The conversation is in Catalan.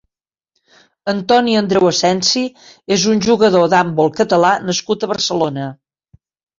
Antoni Andreu Asensi és un jugador d'handbol catal̟à nascut a Barcelona.